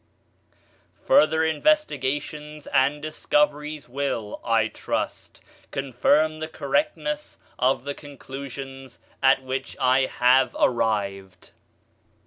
Further investigations and discoveries will, I trust, confirm the correctness of the conclusions at which I have arrived.